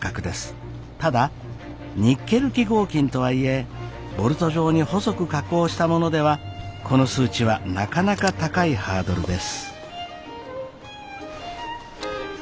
ただニッケル基合金とはいえボルト状に細く加工したものではこの数値はなかなか高いハードルです。